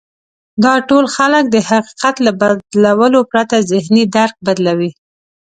دا ډول خلک د حقيقت له بدلولو پرته ذهني درک بدلوي.